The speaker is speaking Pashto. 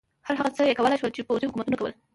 هر هغه څه یې کولای شول چې پوځي حکومتونو کول.